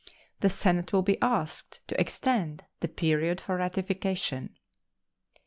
The Senate will be asked to extend the period for ratification.